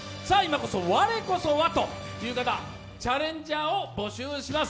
我こそはという方、チャレンジャーを募集します。